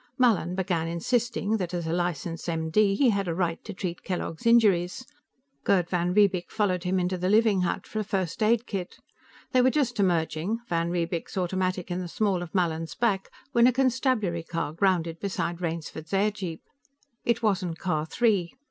Mallin began insisting that, as a licensed M.D., he had a right to treat Kellogg's injuries. Gerd van Riebeek followed him into the living hut for a first aid kit. They were just emerging, van Riebeek's automatic in the small of Mallin's back, when a constabulary car grounded beside Rainsford's airjeep. It wasn't Car Three.